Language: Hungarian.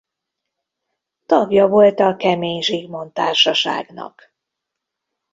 Tagja volt a Kemény Zsigmond Társaságnak.